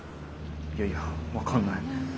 いやいや分かんない。